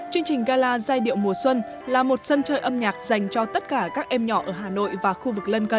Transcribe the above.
chương trình gala giai điệu mùa xuân là một sân chơi âm nhạc dành cho tất cả các em nhỏ ở hà nội và khu vực lân cận